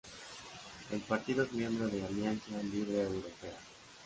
El partido es miembro de Alianza Libre Europea.